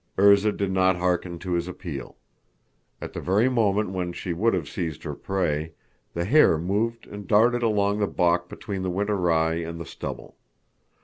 Erzá did not hearken to his appeal. At the very moment when she would have seized her prey, the hare moved and darted along the balk between the winter rye and the stubble.